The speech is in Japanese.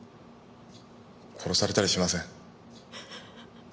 殺されたりしません。